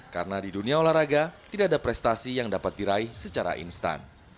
karena di dunia olahraga tidak ada prestasi yang dapat diraih secara instan